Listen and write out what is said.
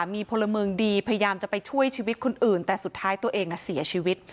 มีพลเมืองดีพยายามจะไปช่วยชีวิตคนอื่นแต่สุดท้ายตัวเองน่ะเสียชีวิต